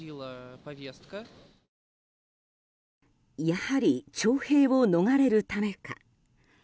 やはり徴兵を逃れるためか。